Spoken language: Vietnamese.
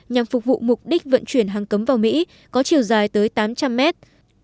nhằm phục vụ mục đích vận chuyển hàng cấm vào mỹ có chiều dài tới tám trăm linh mét